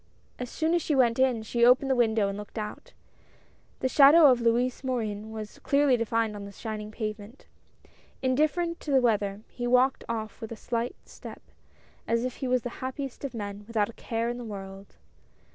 As soon as she went in she opened the window and looked out. The shadow of Louis Morin was clearly defined on the shining pavement. Indifferent to the weather, he walked off with a light step, as if he was the happiest of men, without a care in the world.